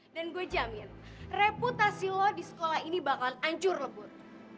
dan gue jamin reputasi lo di sekolah ini bakalan ancur lebur